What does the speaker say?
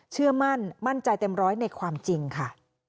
เชื่อมั่นมั่นใจเต็มร้อยในความจริงค่ะ